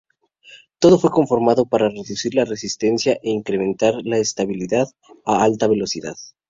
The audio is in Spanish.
Todo fue conformado para reducir la resistencia e incrementar la estabilidad a alta velocidad.